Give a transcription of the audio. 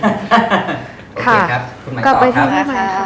โอเคค่ะคุณหมายต้องครับ